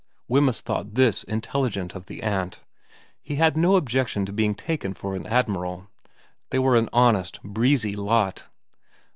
Wemyss thought this intelligent of the aunt. He had no objection to being taken for an admiral ; they were an honest, breezy lot.